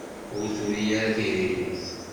Ur turi ara tiririt.